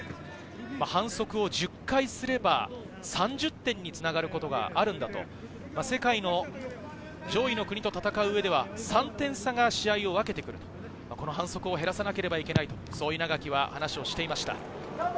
反則を１０回すれば３０点に繋がることがあるんだと、世界の上位の国と戦う上では、３点差が試合を分けてくる、この反則を減らさなければいけない、そう稲垣は話をしていました。